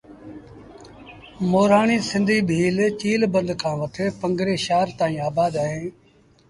مورآڻيٚ سنڌيٚ ڀيٚل چيٚل بند کآݩ وٺي پنگري شآهر تائيٚݩ آبآد اوهيݩ